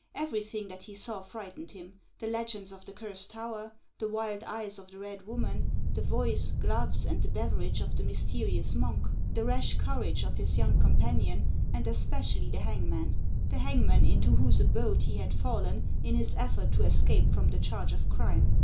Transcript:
Every thing that he saw frightened him, — the legends of the Cursed Tower, the wild eyes of the red woman, the voice, gloves, and beverage of the mysterious monk, the rash courage of his young companion, and especially the hangman, — the hangman, into whose abode he had fallen in his effort to escape from the charge of crime.